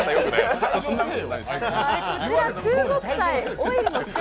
こちら中国菜オイルの四川